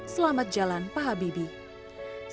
selamat jalan pak habibie